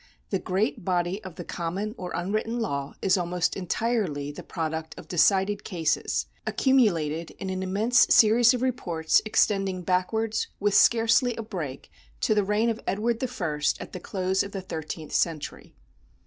The great body of the common or unwritten law is almost entirely the pro duct of decided cases, accumulated in an immense series of reports extending backwards with scarcely a break to the reign of Edward the First at the close of the thirteenth century.